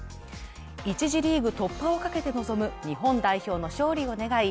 １次リーグ突破をかけて臨む日本代表の勝利を願い